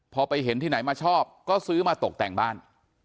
พอไปเห็นที่ไหนมาชอบก็ซื้อมาตกแต่งบ้าน